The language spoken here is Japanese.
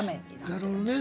なるほどね。